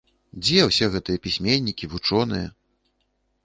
Дзе ўсе гэтыя пісьменнікі, вучоныя?